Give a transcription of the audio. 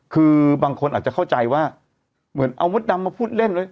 คือบางคนอาจจะเข้าใจว่าเหมือนเอามดดำมาพูดเล่น